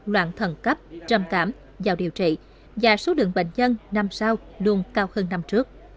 loạn thần cấp trầm cảm vào điều trị và số lượng bệnh nhân năm sau luôn cao hơn năm trước